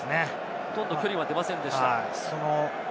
ほとんど距離は出ませんでした。